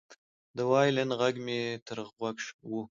د وایلن غږ مې تر غوږ و